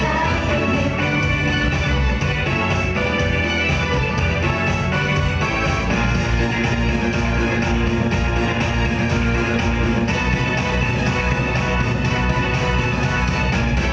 ให้คุณปีถึงให้เราอยู่โภยดี